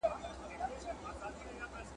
کونړ او خیبر پوري ټولو پښتنو لبیک ویلی دی !.